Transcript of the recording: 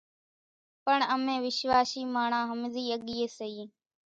پڻ امين وشواسي ماڻۿان ۿمزي ۿڳيئين سيئين،